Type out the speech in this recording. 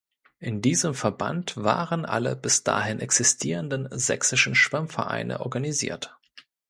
In diesem Verband waren alle bis dahin existierenden sächsischen Schwimmvereine organisiert.